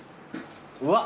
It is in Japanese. うわ！